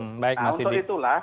nah untuk itulah